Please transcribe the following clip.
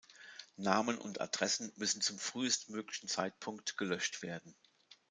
Namen und Adressen müssen zum frühestmöglichen Zeitpunkt gelöscht werden.